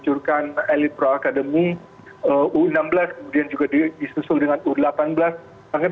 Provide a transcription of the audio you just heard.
dicurkan elite pro akademi u enam belas kemudian juga disusul dengan u delapan belas